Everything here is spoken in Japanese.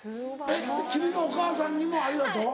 君のお母さんにも「ありがとう」？